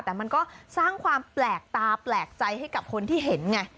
แต่มันก็สร้างความแปลกตาแปลกใจให้กับคนที่เห็นไง